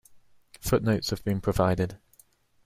Footnotes have been provided.